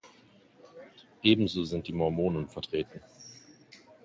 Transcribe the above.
Ebenso sind die Mormonen vertreten.